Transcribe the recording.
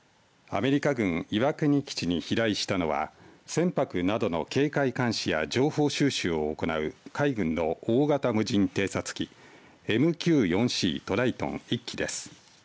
アメリカ軍岩国基地に飛来したのは船舶などの警戒監視や情報収集を行う海軍の大型無人偵察機ＭＱ４Ｃトライトン１機です。